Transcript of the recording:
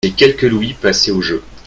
Ses quelques louis passaient au jeu.